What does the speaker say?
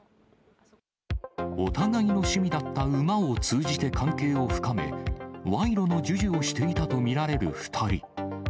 お互いの趣味だった馬を通じて関係を深め、わいろの授受をしていたと見られる２人。